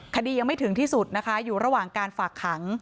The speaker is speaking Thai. คดียังไม่ถึงที่สุดนะคะอยู่ระหว่างการฝากขัง